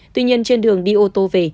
tuy nhiên trên đường đi ô tô về